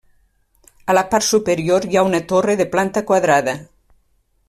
A la part superior hi ha una torre de planta quadrada.